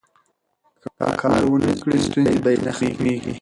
که کار ونکړي، ستونزې به یې نه ختمیږي.